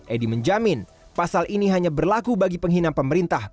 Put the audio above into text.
edy menjamin pasal ini hanya berlaku bagi penghinaan pemerintah